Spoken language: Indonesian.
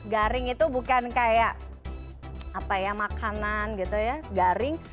garing itu bukan kayak apa ya makanan gitu ya garing